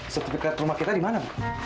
sertifikat rumah kita di mana